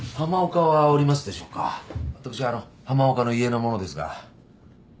私あの浜岡の家の者ですが。